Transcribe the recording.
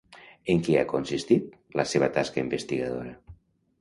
En què ha consistit la seva tasca investigadora?